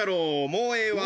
もうええわ。